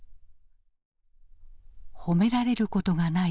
褒められることがない